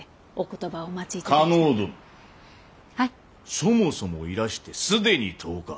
そもそもいらして既に１０日！